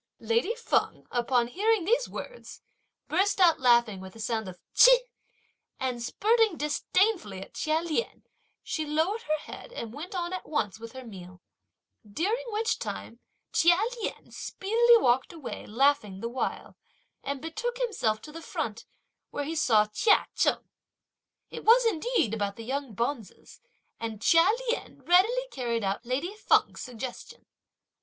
Lady Feng, upon hearing these words, burst out laughing with a sound of Ch'ih, and spurting disdainfully at Chia Lien, she lowered her head and went on at once with her meal; during which time Chia Lien speedily walked away laughing the while, and betook himself to the front, where he saw Chia Cheng. It was, indeed, about the young bonzes, and Chia Lien readily carried out lady Feng's suggestion.